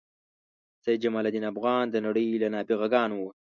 سید جمال الدین افغان د نړۍ له نابغه ګانو و.